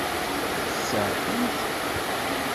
Ad tt-tseɛfemt?